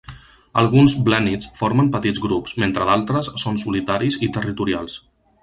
Alguns blènnids formen petits grups, mentre d'altres són solitaris i territorials.